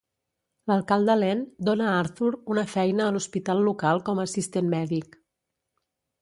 L'alcalde Len dóna a Arthur una feina a l'hospital local com a assistent mèdic.